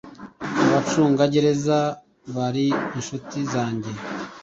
Abacunga gereza bari inshuti zanjye